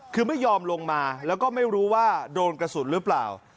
คือไม่ยอมลงมาแล้วก็ไม่รู้ว่าโดนกระสุนหรือเปล่า